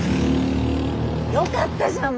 よかったじゃん